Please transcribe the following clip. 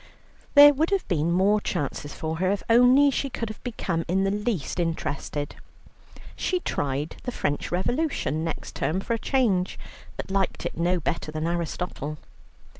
There would have been more chance for her, if only she could have become in the least interested. She tried the French Revolution next term for a change, but liked it no better than Aristotle.